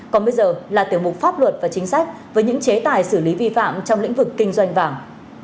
còn bây giờ là tiểu mục pháp luật và chính sách với những chế tài xử lý vi phạm trong lĩnh vực kinh doanh vàng